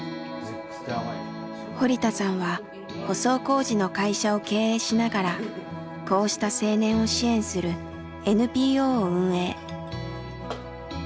堀田さんは舗装工事の会社を経営しながらこうした青年を支援するＮＰＯを運営。